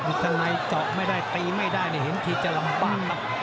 อยู่ข้างในเจาะไม่ได้ตีไม่ได้เนี่ยเห็นที่จะลำบากนะ